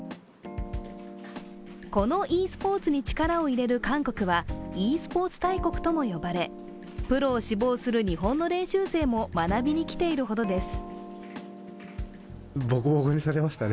このｅスポーツに力を入れる韓国はｅスポーツ大国とも呼ばれ、プロを志望する日本の練習生も学びに来ているほどです。